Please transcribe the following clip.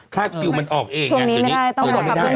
คาดคิวมันออกเองตั้งแต่นี้ปราบอะไรให้ไปจะรอดไม่ได้ไม่ได้ด้วยคิว